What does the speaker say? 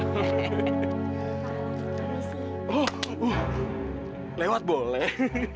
oh lewat boleh